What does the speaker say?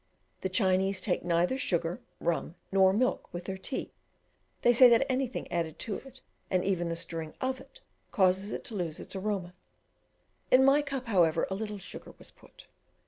The Chinese take neither sugar, rum, nor milk with their tea; they say that anything added to it, and even the stirring of it, causes it to lose its aroma; in my cup, however, a little sugar was put.